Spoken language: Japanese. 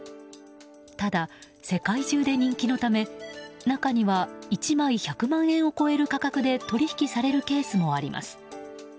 ただ世界中で人気のため、中には１枚１００万円を超える価格で取引されるケースもあります。